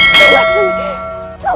jangan sampai aku ketahuan